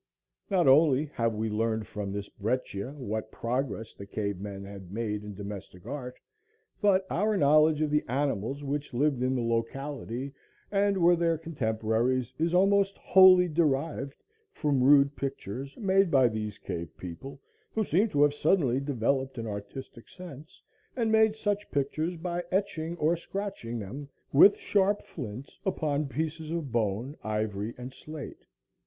Not only have we learned from this "brecchia" what progress the cave men had made in domestic art, but our knowledge of the animals which lived in the locality and were their contemporaries is almost wholly derived from rude pictures made by these cave people, who seem to have suddenly developed an artistic sense and made such pictures by etching or scratching them with sharp flints upon pieces of bone, ivory and slate.